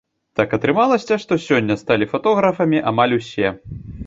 Так атрымалася, што сёння сталі фатографамі амаль усе.